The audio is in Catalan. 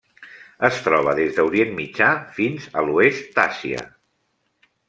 Es troba des d'Orient Mitjà fins a l'oest d'Àsia.